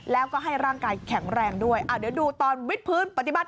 แล้วก็ให้ร่างกายแข็งแรงด้วยเดี๋ยวดูตอนวิทย์พื้นปฏิบัติ